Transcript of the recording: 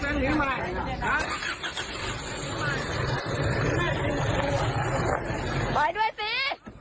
เรื่องราวใหญ่โตถึงจะคั่นฆ่ากันตายแบบนี้